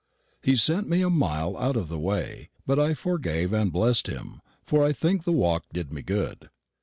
He sent me a mile out of the way; but I forgave and blest him, for I think the walk did me good.